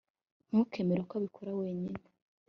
ntukemere ko abikora wenyine